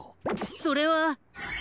それは。